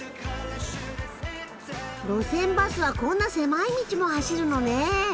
路線バスはこんな狭い道も走るのね。